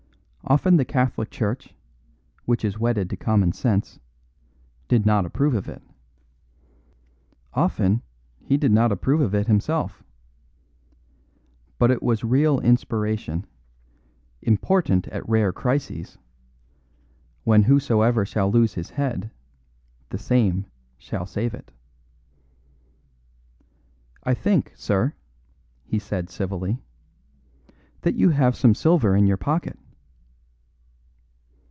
Often the Catholic Church (which is wedded to common sense) did not approve of it. Often he did not approve of it himself. But it was real inspiration important at rare crises when whosoever shall lose his head the same shall save it. "I think, sir," he said civilly, "that you have some silver in your pocket."